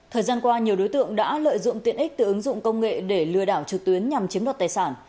thời gian qua nhiều đối tượng đã lợi dụng tiện ích từ ứng dụng công nghệ để lừa đảo trực tuyến nhằm chiếm đoạt tài sản